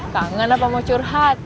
kangen apa mau curhat